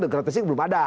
gratifikasi belum ada